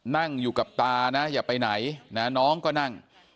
นั่งอยู่กับตานะอย่าไปไหนนะน้องก็นั่ง